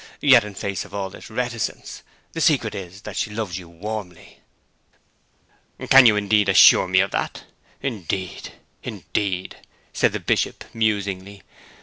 Yet, in the face of all this reticence, the secret is that she loves you warmly.' 'Can you indeed assure me of that? Indeed, indeed!' said the good Bishop musingly.